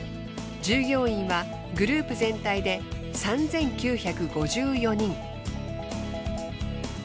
従業員はグループ全体で３，９５４人。